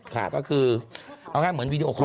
ก็คือเอาง่ายเหมือนวีดีโอคอล